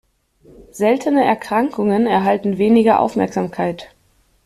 Seltene Erkrankungen erhalten weniger Aufmerksamkeit.